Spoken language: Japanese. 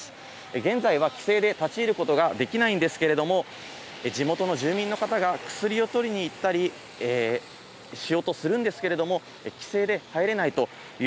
現在は規制で立ち入ることができないんですけれども、地元の住民の方が薬を取りに行ったりしようとするんですけれども、規制で入れないという